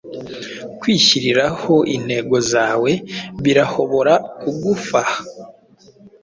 Kwihyiriraho intego zawe birahobora kugufaha